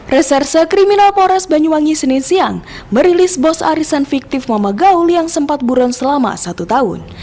reserse kriminal pores banyuwangi senin siang merilis bos arisan fiktif mama gaul yang sempat buron selama satu tahun